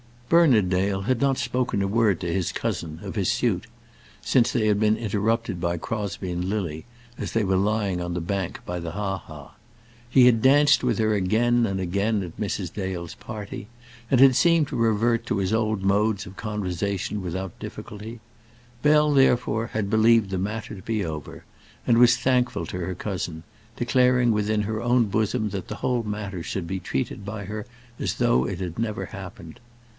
Bernard Dale had not spoken a word to his cousin of his suit, since they had been interrupted by Crosbie and Lily as they were lying on the bank by the ha ha. He had danced with her again and again at Mrs. Dale's party, and had seemed to revert to his old modes of conversation without difficulty. Bell, therefore, had believed the matter to be over, and was thankful to her cousin, declaring within her own bosom that the whole matter should be treated by her as though it had never happened.